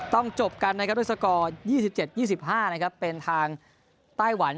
จบกันนะครับด้วยสกอร์๒๗๒๕นะครับเป็นทางไต้หวัน